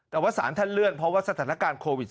แต่ว่าสารท่านเลื่อนเพราะว่าสถานการณ์โควิด๑๙